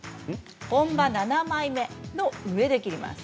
本葉７枚目の上で切ります。